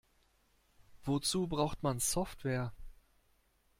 Wozu braucht man Software?